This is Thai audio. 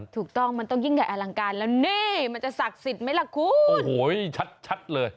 ทุกต้องมันต้องยิ่งอลังการแล้วมันจะศักดิ์ศิษย์มัยละคุณ